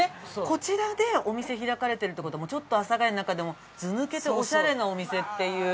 こちらでお店開かれてるって事はちょっと阿佐ヶ谷の中でもずぬけてオシャレなお店っていう。